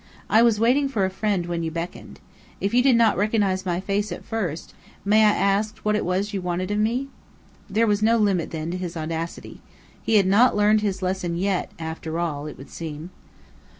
I was waiting for a friend when you beckoned. If you did not recognize my face at first, may I ask what it was you wanted of me?" There was no limit, then, to his audacity. He had not learned his lesson yet, after all, it would seem.